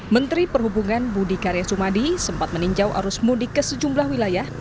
menteri perhubungan budi karya sumadi sempat meninjau arus mudik ke sejumlah wilayah